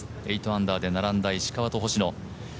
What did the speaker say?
８アンダーで並んだ石川と星野。